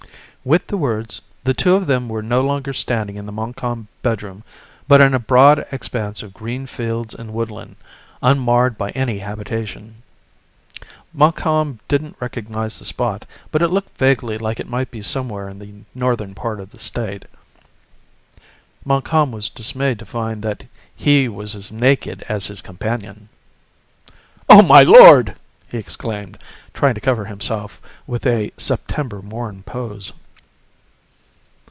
With the words, the two of them were no longer standing in the Montcalm bedroom, but in a broad expanse of green fields and woodland, unmarred by any habitation. Montcalm didn't recognize the spot, but it looked vaguely like it might be somewhere in the northern part of the state. Montcalm was dismayed to find that he was as naked as his companion! "Oh, my Lord!" he exclaimed, trying to cover himself with a September Morn pose.